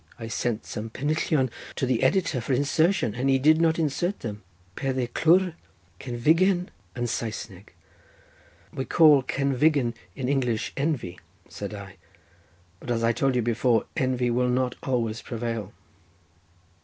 I sent some pennillion to the editor for insertion and he did not insert them. Peth a clwir cenfigen yn Saesneg?" "We call cenfigen in English envy," said I; "but as I told you before, envy will not always prevail."